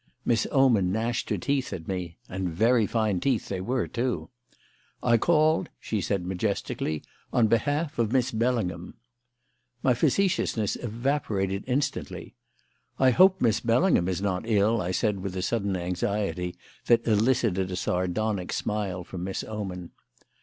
Miss Oman gnashed her teeth at me (and very fine teeth they were, too). "I called," she said majestically, "on behalf of Miss Bellingham." My facetiousness evaporated instantly. "I hope Miss Bellingham is not ill," I said with a sudden anxiety that elicited a sardonic smile from Miss Oman.